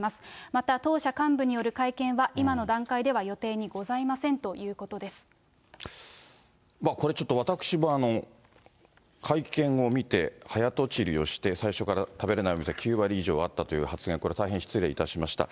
また当社幹部による会見は今の段階では予定にございませんというこれちょっと、私も会見を見て、早とちりをして、最初から食べれないお店、９割以上あったという発言、これ、大変失礼いたしました。